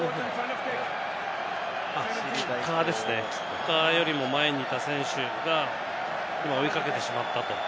キッカーですね、キッカーよりも前にいた選手が今、追いかけてしまったと。